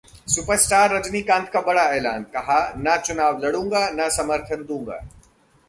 superstar Rajinikanth का बड़ा ऐलान, कहा- न चुनाव लड़ूंगा, न समर्थन दूंगा